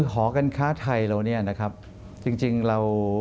หอการค้าไทยเรา